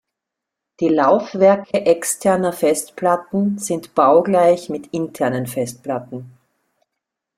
Die Laufwerke externer Festplatten sind baugleich mit internen Festplatten.